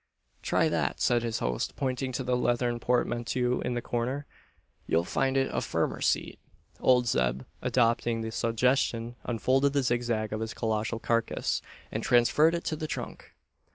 "Try that," said his host, pointing to the leathern portmanteau in the corner: "you'll find it a firmer seat." Old Zeb, adopting the suggestion, unfolded the zigzag of his colossal carcase, and transferred it to the trunk.